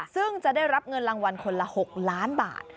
ซึ่งจะได้รับเงินรางวัลคนละ๖ล้านบาท